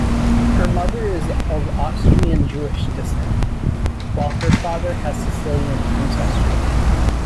Her mother is of Austrian Jewish descent, while her father has Sicilian ancestry.